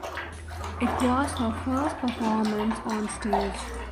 It was her first performance on stage.